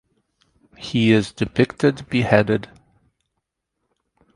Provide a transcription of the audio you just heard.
He is depicted beheaded.